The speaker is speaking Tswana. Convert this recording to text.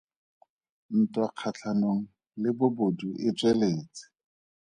Ntwa kgatlhanong le bobodu e tsweletse.